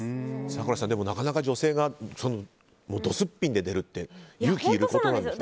咲楽さん、なかなか女性がドすっぴんで出るって勇気いることですよね。